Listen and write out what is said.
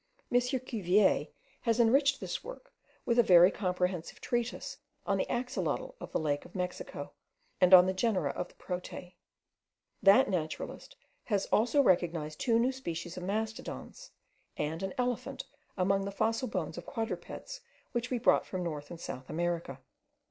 M. Cuvier has enriched this work with a very comprehensive treatise on the axolotl of the lake of Mexico, and on the genera of the Protei. That naturalist has also recognized two new species of mastodons and an elephant among the fossil bones of quadrupeds which we brought from North and South America.